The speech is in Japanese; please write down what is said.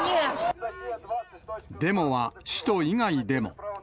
デモは首都以外でも。